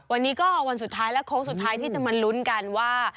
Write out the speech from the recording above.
วันนี้ก็วันสุดท้ายและโค้งสุดท้ายที่จะมาลุ้นกันว่า